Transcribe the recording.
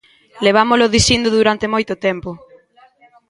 Levámolo dicindo durante moito tempo.